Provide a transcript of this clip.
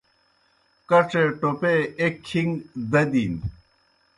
کڇے ٹوپے ایْک کِھݩگ دَدِن۔